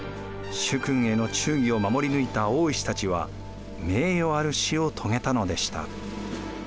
主君への忠義を守り抜いた大石たちは名誉ある死を遂げたのでした。